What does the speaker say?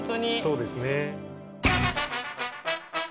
そうですね。